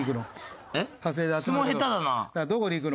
どこに行くの？